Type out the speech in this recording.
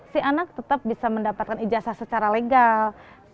si anak tetap bisa mendapatkan ijazah secara legal